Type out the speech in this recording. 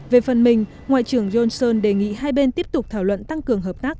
về phần mình ngoại trưởng johnson đề nghị hai bên tiếp tục thảo luận tăng cường hợp tác